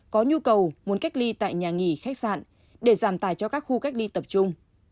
có nhu cầu muốn cách ly tại nhà nghỉ khách sạn để giảm tài cho các khu cách ly tập trung